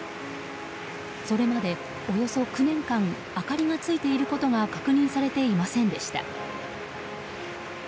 それまでおよそ９年間明かりがついていることが確認されていませんでした。